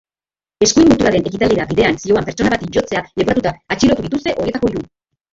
Eskuin muturraren ekitaldira bidean zihoan pertsona bati jotzea leporatuta atxilotu dituzte horietako hiru.